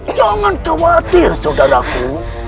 jangan khawatir saudaraku